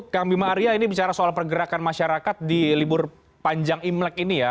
kang bima arya ini bicara soal pergerakan masyarakat di libur panjang imlek ini ya